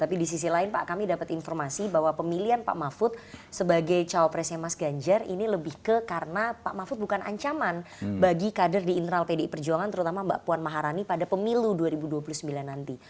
tapi di sisi lain pak kami dapat informasi bahwa pemilihan pak mahfud sebagai cawapresnya mas ganjar ini lebih ke karena pak mahfud bukan ancaman bagi kader di internal pdi perjuangan terutama mbak puan maharani pada pemilu dua ribu dua puluh sembilan nanti